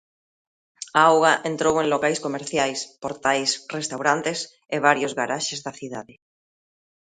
A auga entrou en locais comerciais, portais, restaurantes e varios garaxes da cidade.